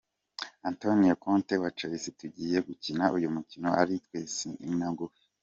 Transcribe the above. Antonio Conte wa Chelsea:Tugiye gukina uyu mukino aritwe nsina ngufi.